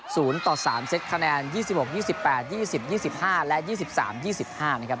ศูนย์ต่อสามเซตคะแนนยี่สิบหกยี่สิบแปดยี่สิบยี่สิบห้าและยี่สิบสามยี่สิบห้านะครับ